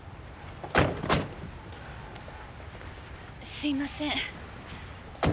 すいません。